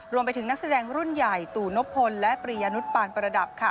รวมไปถึงนักแสดงรุ่นใหญ่ตู่นพลและปริยนุศปานประดับค่ะ